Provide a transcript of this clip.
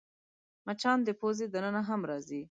مچان د پوزې دننه هم راځي